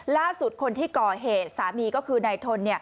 ล่าสุดคนที่ก่อเหตุสามีก็คือนายทน